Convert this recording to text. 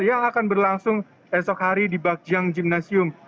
yang akan berlangsung esok hari di bajjang gymnasium